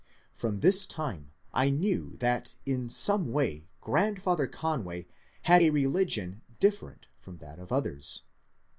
From this time I knew that in some way grand father Conway had a religion different from that of others.